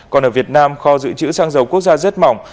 còn ở việt nam kho dự trữ sang giàu quốc gia rất mỏng